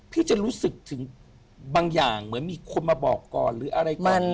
พี่จะรู้สึกถึงบางอย่างเหมือนมีคนมาบอกก่อนหรืออะไรก่อน